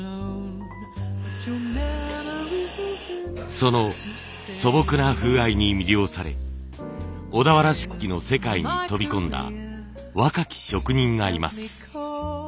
その素朴な風合いに魅了され小田原漆器の世界に飛び込んだ若き職人がいます。